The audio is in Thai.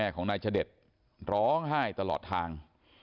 ของนายชะเด็จร้องไห้ตลอดทาง